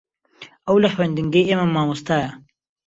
ئەو لە خوێندنگەی ئێمە مامۆستایە.